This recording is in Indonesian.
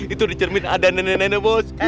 itu di cermin ada nenek nenek bos